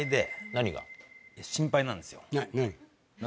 何？